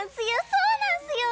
そうなんすよ！